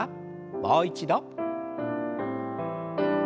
もう一度。